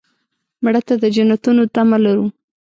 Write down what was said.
مړه ته د جنتونو تمه لرو